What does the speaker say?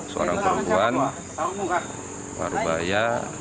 seorang perempuan baru bahaya